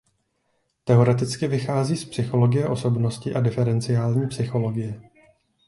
Teoreticky vychází z psychologie osobnosti a diferenciální psychologie.